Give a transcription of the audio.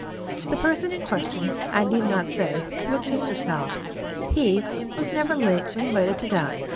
The person in question, I need not say, was Mr. Snob. HE was never late when invited to dine.